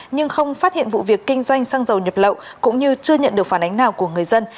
nhưng không phát hiện vụ việc kinh doanh xăng dầu nhập lậu cũng như chưa nhận được phản ánh nào của người dân